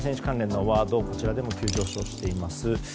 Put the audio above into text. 関連のワードがこちらでも急上昇しています。